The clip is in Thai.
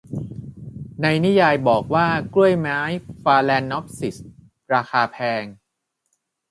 ในนิยายบอกว่ากล้วยไม้ฟาแลนนอปซิสราคาแพง